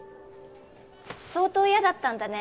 相当嫌だったんだね。